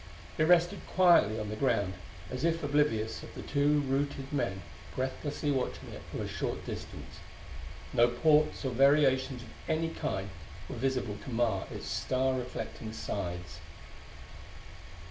It rested quietly on the ground, as if oblivious of the two routed men breathlessly watching it from a short distance. No ports or variations of any kind were visible to mar its star reflecting sides.